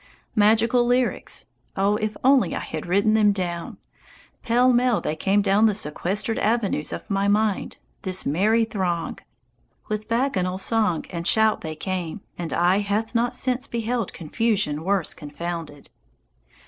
Magical lyrics oh, if I only had written them down! Pell mell they came down the sequestered avenues of my mind, this merry throng. With bacchanal song and shout they came, and eye hath not since beheld confusion worse confounded.